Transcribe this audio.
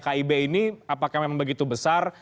kib ini apakah memang begitu besar